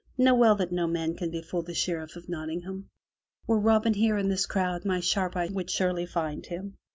Know well that no man could befool the Sheriff of Nottingham. Were Robin here in this crowd my sharp eye would surely find him.